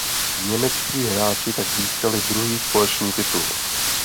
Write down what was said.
Němečtí hráči tak získali druhý společný titul.